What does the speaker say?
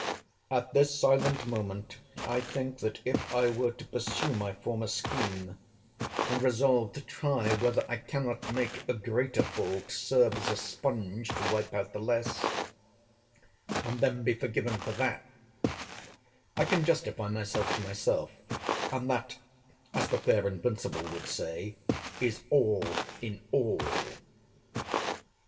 At this silent moment, I think, that if I were to pursue my former scheme, and resolve to try whether I cannot make a greater fault serve as a sponge to wipe out the less; and then be forgiven for that; I can justify myself to myself; and that, as the fair invincible would say, is all in all.